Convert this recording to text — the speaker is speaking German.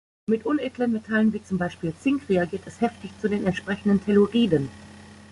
Mit unedlen Metallen wie zum Beispiel Zink reagiert es heftig zu den entsprechenden Telluriden.